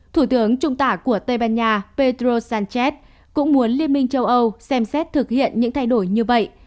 thủ tướng trung tả của tây ban nha pedro sánchez cũng muốn liên minh châu âu xem xét thực hiện những thay đổi như vậy